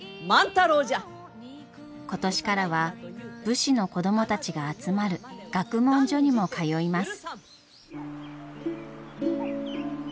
今年からは武士の子供たちが集まる学問所にも通います。